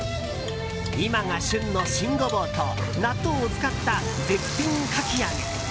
今が旬の新ゴボウと納豆を使った絶品かき揚げ。